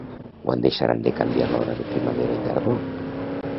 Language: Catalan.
Quan deixaran de canviar l´hora de primavera i tardor?